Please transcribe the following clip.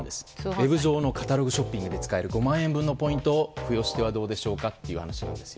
ウェブ上のカタログショッピングで使える５万円分のポイントを付与してはどうでしょうかという話なんです。